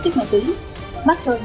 đã với hợp với lực lượng có liên quan